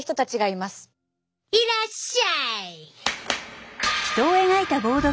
いらっしゃい！